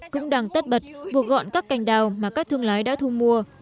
cũng đang tất bật gọn các cành đào mà các thương lái đã thu mua